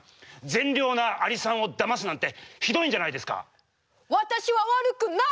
善良なアリさんをだますなんてひどいんじゃないですか！